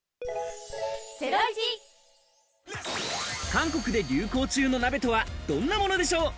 韓国で流行中の鍋とはどんなものでしょう？